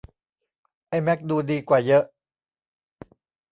ไอ้แม็กดูดีกว่าเยอะ